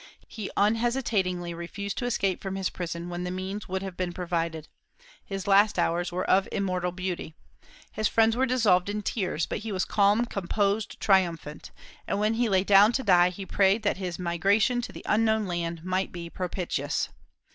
He unhesitatingly refused to escape from his prison when the means would have been provided. His last hours were of immortal beauty. His friends were dissolved in tears, but he was calm, composed, triumphant; and when he lay down to die he prayed that his migration to the unknown land might be propitious.